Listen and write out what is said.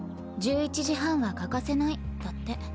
「１１時半は欠かせない」だって。